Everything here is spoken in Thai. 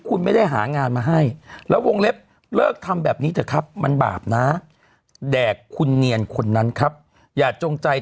คืออะไรเหตุการณ์มันเป็นยังไง